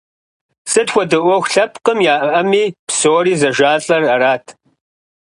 Сыт хуэдэ ӏуэху лъэпкъым яӏэми псори зэжалӏэр арат.